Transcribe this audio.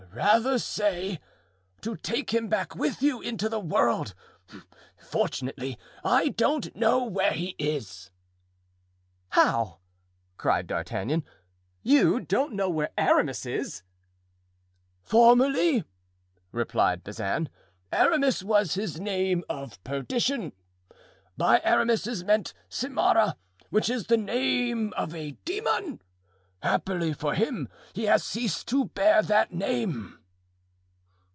"Rather say, to take him back with you into the world. Fortunately, I don't know where he is." "How!" cried D'Artagnan; "you don't know where Aramis is?" "Formerly," replied Bazin, "Aramis was his name of perdition. By Aramis is meant Simara, which is the name of a demon. Happily for him he has ceased to bear that name."